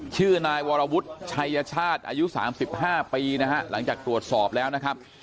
ชื่อนายวรวุฒิชัยชาติอายุ๓๕ปีนะฮะหลังจากตรวจสอบแล้วนะครับ